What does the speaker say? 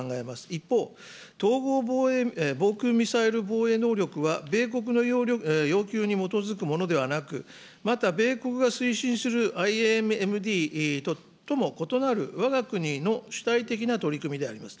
一方、統合防空ミサイル防衛能力は、米国の要求に基づくものではなく、また、米国が推進するＩＡＭＤとも異なる、わが国の主体的な取り組みであります。